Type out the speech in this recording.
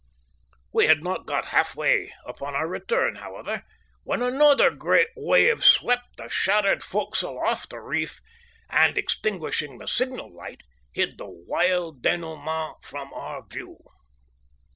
We had not got half way upon our return, however, when another great wave swept the shattered forecastle off the reef, and, extinguishing the signal light, hid the wild denouement from our view.